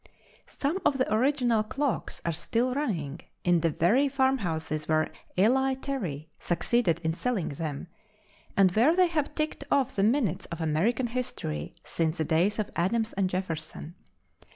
Some of the original clocks are still running in the very farmhouses where Eli Terry succeeded in selling them, and where they have ticked off the minutes of American history since the days of Adams and Jefferson.